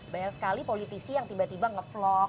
banyak sekali politisi yang tiba tiba ngevlog